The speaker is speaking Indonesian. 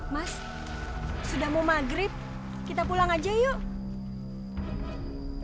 mas sudah mau maghrib kita pulang aja yuk